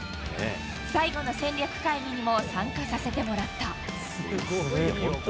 最後の戦略会議にも参加させてもらった。